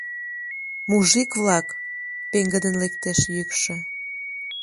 — Мужик-влак! — пеҥгыдын лектеш йӱкшӧ.